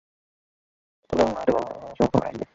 তবে আমার মনে হয়, একটা ম্যাচে ভালো করলেই আবার ফর্মে চলে আসবে।